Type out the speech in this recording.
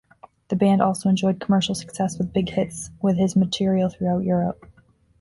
The band also enjoyed commercial success with big hits with this material throughout Europe.